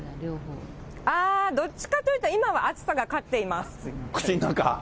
あー、どっちかっていうと、今は熱さが勝ってます。